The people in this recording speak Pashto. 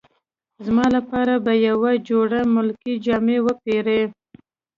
زما لپاره به یوه جوړه ملکي جامې وپیرې.